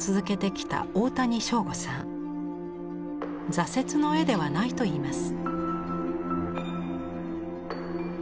「挫折」の絵ではないと言います。